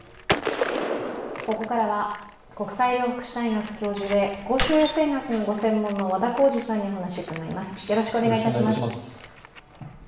ここからは国際医療福祉大学教授で公衆衛生学がご専門の和田耕治さんにお話を伺います。